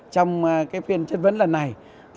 trong phiên chất vấn lần này